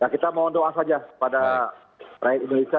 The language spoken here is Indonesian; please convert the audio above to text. ya kita mohon doa saja pada rakyat indonesia